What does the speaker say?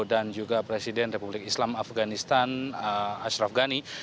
dan juga presiden republik islam afganistan ashraf ghani